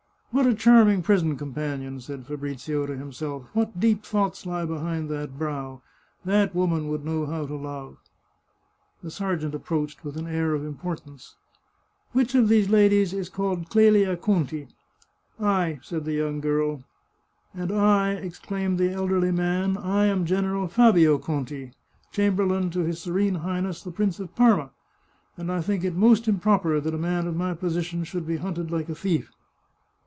" What a charming prison companion !" said Fabrizio to himself. " What deep thoughts lie behind that brow 1 That woman would know how to love !" The sergeant approached with an air of importance. " Which of these ladies is called Clelia Conti ?"" I," said the young girl. " And I," exclaimed the elderly man, " I am General Fabio Conti, Chamberlain to his Serene Highness the Prince of Parma, and I think it most improper that a man of my position should be hunted like a thief